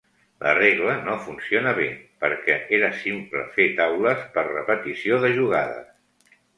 La regla no funcionà bé, perquè era simple fer taules per repetició de jugades.